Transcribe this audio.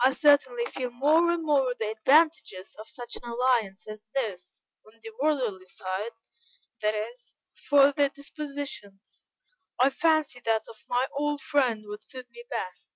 I certainly feel more and more the advantages of such an alliance as this, on the worldly side, that is; for their dispositions, I fancy that of my old friend would suit me best."